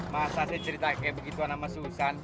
masa saya cerita kayak begituan sama susan